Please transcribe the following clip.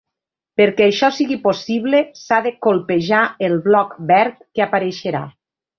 Perquè això sigui possible s'ha de colpejar el bloc verd que apareixerà.